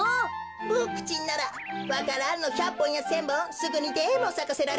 ボクちんならわか蘭の１００ぽんや１，０００ぼんすぐにでもさかせられますがね。